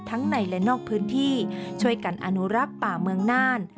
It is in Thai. ในและนอกพื้นที่ช่วยกันอนุรักษ์ป่าเมืองน่าน